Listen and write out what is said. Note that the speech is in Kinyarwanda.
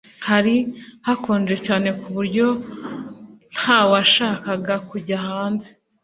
Hari hakonje cyane kuburyo ntawashakaga kujya hanze